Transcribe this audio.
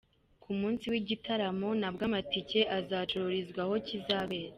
Ku munsi w’igitaramo nabwo amatike azacururizwa aho kizabera.